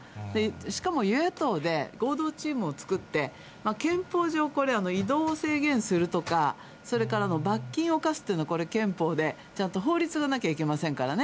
しかも与野党で合同チームを作って、憲法上、これをどう制限するとか、それから罰金を科すというのは、これ、憲法でちゃんと法律がなきゃいけませんからね、